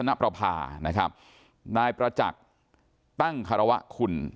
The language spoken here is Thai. นายประจักษ์ปั้งฮรวะคุณ